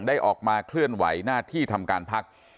ได้ออกมาเคลื่อนไหวหน้าที่ทำการพัก